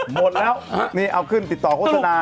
หมดแล้วนี่เอาขึ้นติดต่อโฆษณา